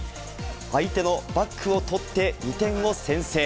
相手のバックを取って２点を先制。